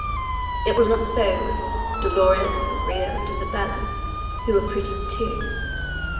It was not so with Dolores and Maria and Isabella, who were pretty too.